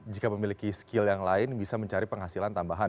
jika memiliki skill yang lain bisa mencari penghasilan tambahan